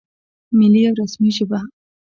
ملي او رسمي ژبه